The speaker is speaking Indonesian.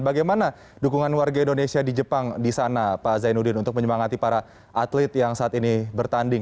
bagaimana dukungan warga indonesia di jepang di sana pak zainuddin untuk menyemangati para atlet yang saat ini bertanding